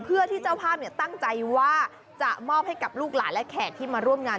เพื่อที่เจ้าภาพตั้งใจว่าจะมอบให้กับลูกหลานและแขกที่มาร่วมงาน